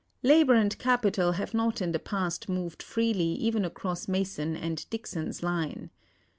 Labor and capital have not in the past moved freely even across Mason and Dixon's line.